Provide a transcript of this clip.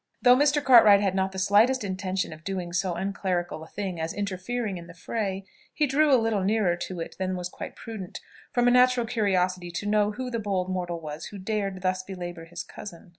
Though Mr. Cartwright had not the slightest intention of doing so unclerical a thing as interfering in the fray, he drew a little nearer to it than was quite prudent, from a natural curiosity to know who the bold mortal was who dared thus belabour his cousin.